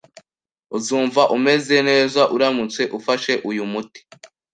Uzumva umeze neza uramutse ufashe uyu muti